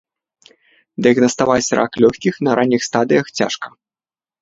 Дыягнаставаць рак лёгкіх на ранніх стадыях цяжка.